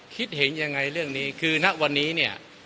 คิดเห็นยังไงเรื่องนี้คือณวันนี้เนี่ย